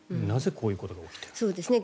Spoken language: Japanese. なぜこういうことが起きているのかと。